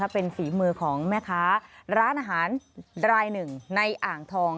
เป็นฝีมือของแม่ค้าร้านอาหารรายหนึ่งในอ่างทอง